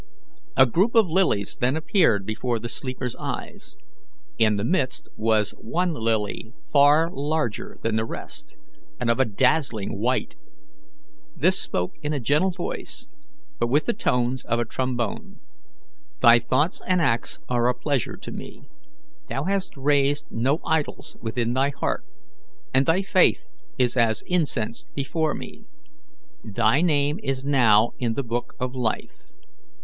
A group of lilies then appeared before the sleeper's eyes. In the midst was one lily far larger than the rest, and of a dazzling white. This spoke in a gentle voice, but with the tones of a trombone: "Thy thoughts and acts are a pleasure to me. Thou hast raised no idols within thy heart, and thy faith is as incense before me. Thy name is now in the Book of Life.